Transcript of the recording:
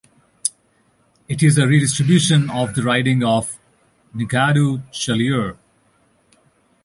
It is a redistribution of the riding of Nigadoo-Chaleur.